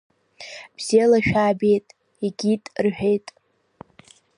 Бзиала шәаабеит, егьит, — рҳәеит.